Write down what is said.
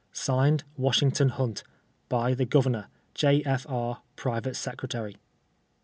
(Signed,) WASHINGTON HUNT. By the Governor. J. F. IJ., Private Secretary.